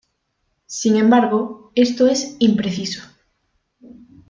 Sin embargo esto es impreciso.